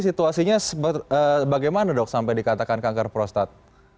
situasinya bagaimana dok sampai dikatakan kanker prostat